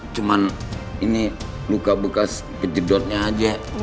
cuma ini luka bekas kejedotnya aja